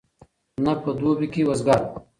نه په دوبي کي وزګار وو